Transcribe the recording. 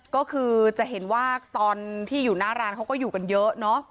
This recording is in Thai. ก็คือจะเห็นว่าตอนที่อยู่หน้าร้านเขาก็อยู่กันเยอะเนอะ